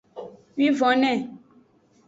Wivonne.